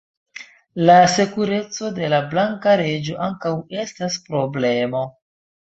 La sekureco de la blanka reĝo ankaŭ estas problemo.